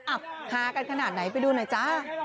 ฮากันขนาดไหนไปดูหน่อยจ้า